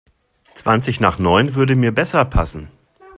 Zwanzig nach neun würde mir besser passen.